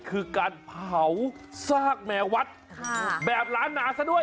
คือการเผาซากแมววัดแบบล้านนาซะด้วย